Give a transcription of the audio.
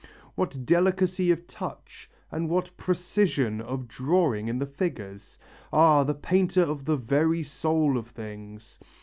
What delicacy of touch and what precision of drawing in the figures! Ah! the painter of the very soul of things.